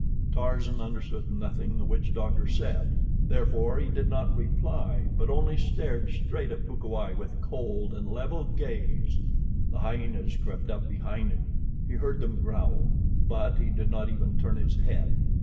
Tarzan understood nothing the witch doctor said, therefore he did not reply, but only stared straight at Bukawai with cold and level gaze. The hyenas crept up behind him. He heard them growl; but he did not even turn his head.